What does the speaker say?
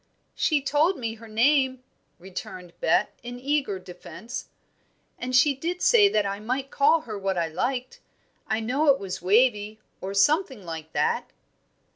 "She told me her name," returned Bet, in eager defence, "and she did say that I might call her what I liked. I know it was Wavie, or something like it."